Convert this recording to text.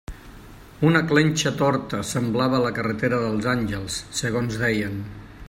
Una clenxa torta semblava la carretera dels Àngels, segons deien.